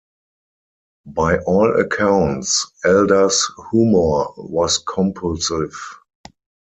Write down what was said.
By all accounts, Elder's humor was compulsive.